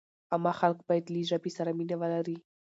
عامه خلک باید له ژبې سره مینه ولري.